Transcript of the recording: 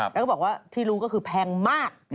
แล้วก็บอกว่าที่รู้ก็คือแพงมาก